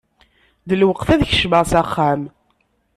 D lweqt ad kecmeɣ s axxam.